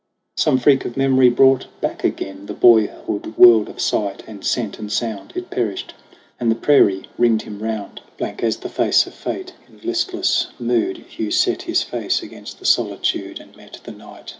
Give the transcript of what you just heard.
Some freak of memory brought back again The boyhood world of sight and scent and sound : It perished, and the prairie ringed him round, 48 SONG OF HUGH GLASS Blank as the face of fate. In listless mood Hugh set his face against the solitude And met the night.